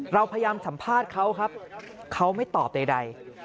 เราพยายามสัมภาษณ์เขาครับเขาไม่ตอบใด